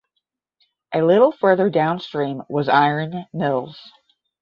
A little further downstream was Iron Mills.